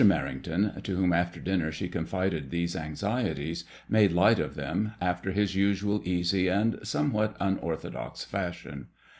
Merrington, to whom after dinner she confided these anxieties, made light of them, after his usual easy and somewhat unorthodox fashion.